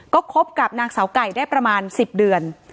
ก็คบกับนางสาวไก่ได้ประมาณ๑๐เดือน